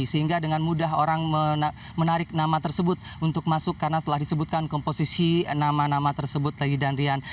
sehingga dengan mudah orang menarik nama tersebut untuk masuk karena telah disebutkan komposisi nama nama tersebut lagi dan rian